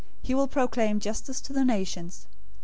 He will proclaim justice to the nations.